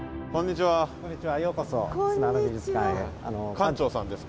館長さんですか？